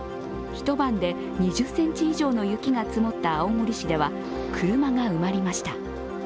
一晩で２０ｃｍ以上の雪が積もった青森市では車が埋まりました。